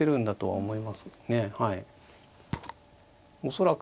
はい。